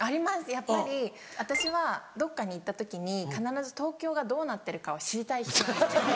やっぱり私はどっかに行った時に必ず東京がどうなってるかを知りたい人なんですね。